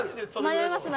迷います。